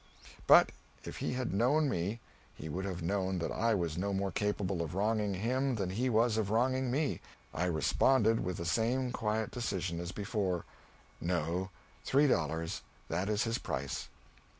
But if he had known me he would have known that I was no more capable of wronging him than he was of wronging me. I responded with the same quiet decision as before, "No three dollars. That is his price."